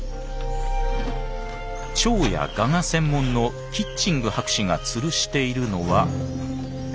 チョウやガが専門のキッチング博士がつるしているのは。